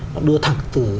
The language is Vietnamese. nó đưa thẳng từ